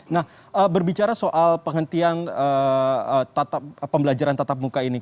nah berbicara soal penghentian pembelajaran tatap muka ini